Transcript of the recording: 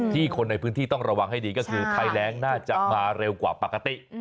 คนในพื้นที่ต้องระวังให้ดีก็คือภัยแรงน่าจะมาเร็วกว่าปกติ